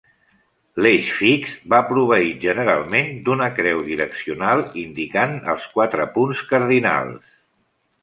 L'eix fix va proveït generalment d'una creu direccional indicant els quatre punts cardinals.